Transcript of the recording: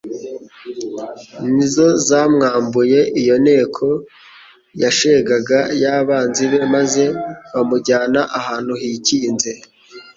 nizo zamwambuye iyo nteko yashegaga y'abanzi be, maze bamujyana ahantu hikinze.